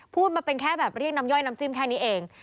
พูดมาเป็นแค่แบบเรียกน้ำย่อยน้ำจิ้มแค่นี้เอง